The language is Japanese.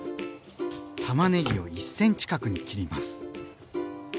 たまねぎを１ｃｍ角に切ります。